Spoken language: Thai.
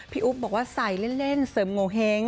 อุ๊บบอกว่าใส่เล่นเสริมโงเห้ง